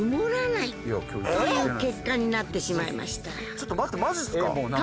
ちょっと待ってマジっすか？